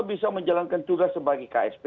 bisa menjalankan tugas sebagai ksp